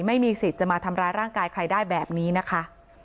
ไม่มีสิทธิ์จะมาทำร้ายร่างกายใครได้แบบนี้นะคะ